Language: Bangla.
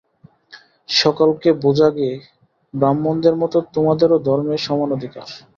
সকলকে বোঝাগে ব্রাহ্মণদের মত তোমাদেরও ধর্মে সমান অধিকার।